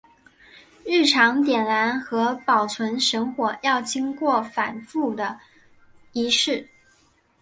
日常点燃和保存神火要经过繁复的仪式。